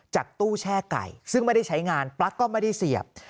ตู้แช่ไก่ซึ่งไม่ได้ใช้งานปลั๊กก็ไม่ได้เสียบ